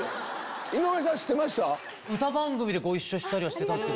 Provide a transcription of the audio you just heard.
井上さん知ってました？